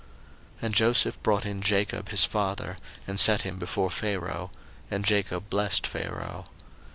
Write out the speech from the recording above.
01:047:007 And Joseph brought in Jacob his father, and set him before Pharaoh: and Jacob blessed Pharaoh.